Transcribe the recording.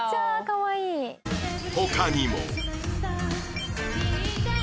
他にも